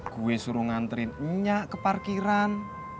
gue suruh nganterin minyak ke parkiran